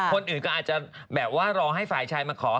คนอื่นก็อาจจะแบบว่ารอให้ฝ่ายชายมาขอ